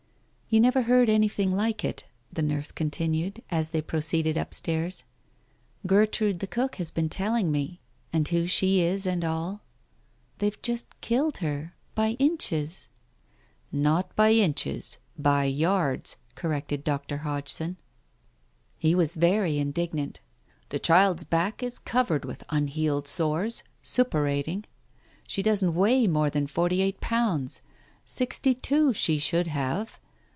"You never heard anything like it," the nurse con tinued, as they proceeded upstairs; "Gertrude, the cook here has been telling me. And who she is and all. They've just killed her — by inches." "Not by inches, by yards," corrected Dr. Hodgson. Digitized by Google THE TIGER SKIN _ 309 He was very indignant. "The child's back is covered with unhealed sores — suppurating. She doesn't weigh more than forty eight pounds. Sixty two she should have.